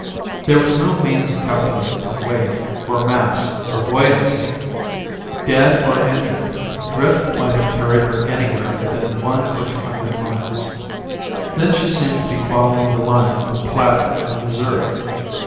There was no means of calculating her weight, or mass, or buoyancy. Dead or injured, drift might have carried her anywhere within one or two hundred miles. Then she seemed to be following the line of the Platte and the Missouri.